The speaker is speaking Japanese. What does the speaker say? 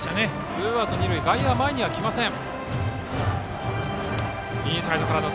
ツーアウト二塁外野は前に来ません。